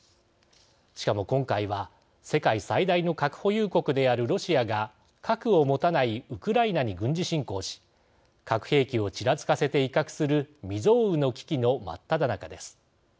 しかも、今回は世界最大の核保有国であるロシアが核を持たないウクライナに軍事侵攻し核兵器をちらつかせて威嚇する未曽有の危機の真っただ中です。